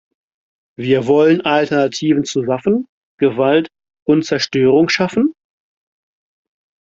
Wir wollen Alternativen zu Waffen, Gewalt und Zerstörung schaffen?